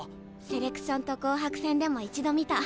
セレクションと紅白戦でも一度見た。